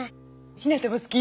ひなたもすき？